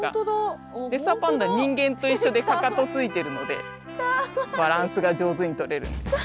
レッサーパンダ人間と一緒でかかとついてるのでバランスが上手にとれるんです。